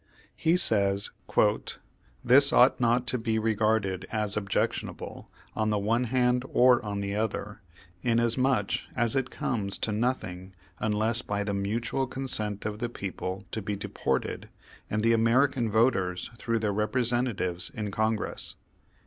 He says : "This ought not to be regarded as objectionable, on the one hand or on the other, inasmuch as it comes to nothing unless by the mutual consent of the people to be deported and the American voters through their representatives in Congress."